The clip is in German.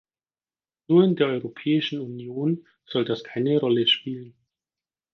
Nur in der Europäischen Union soll das keine Rolle spielen.